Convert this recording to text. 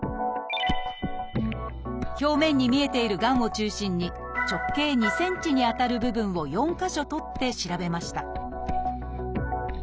表面に見えているがんを中心に直径２ｃｍにあたる部分を４か所採って調べました